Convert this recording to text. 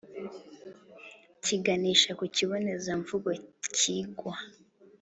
kiganisha ku kibonezamvugo kigwa.